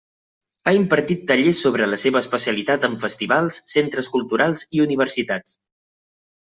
Ha impartit tallers sobre la seva especialitat en festivals, centres culturals i universitats.